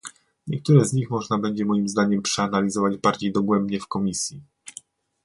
Niektóre z nich można będzie moim zdaniem przeanalizować bardziej dogłębnie w komisji